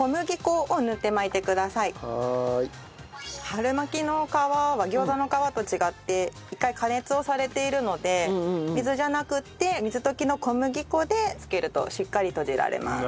春巻きの皮は餃子の皮と違って一回加熱をされているので水じゃなくて水溶きの小麦粉で付けるとしっかり閉じられます。